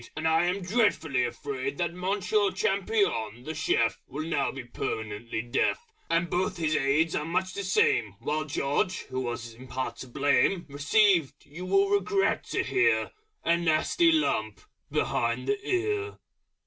And I am dreadfully afraid That Monsieur Champignon, the Chef, Will now be permanently deaf And both his Aides are much the same; While George, who was in part to blame, Received, you will regret to hear, A nasty lump behind the ear.